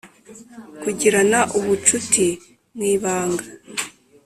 Kugirana ubucuti mu ibanga